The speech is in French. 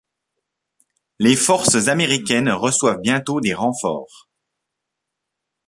Les forces américaines reçoivent bientôt des renforts.